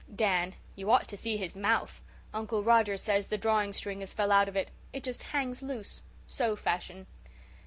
DAN: "You ought to see his mouth. Uncle Roger says the drawing string has fell out of it. It just hangs loose so fashion."